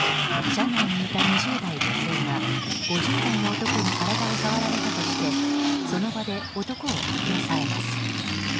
車内にいた２０代女性が５０代の男に体を触られたとしてその場で男を取り押さえます。